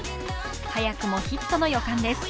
早くもヒットの予感です。